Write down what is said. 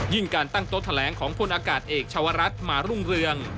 การตั้งโต๊ะแถลงของพลอากาศเอกชาวรัฐมารุ่งเรือง